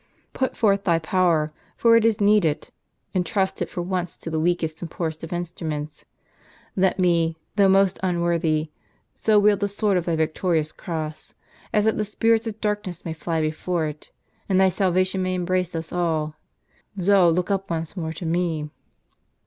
Put forth Thy power, for it is needed ; intrust it for once to the weakest and poorest of instruments. Let me, though most unworthy, so wield the sword of Thy victorious Cross, as that the spirits of darkness may fly before it, and Thy salva tion may embrace us all ! Zoe, look up once more to me."